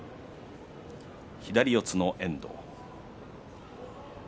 左四つの遠藤。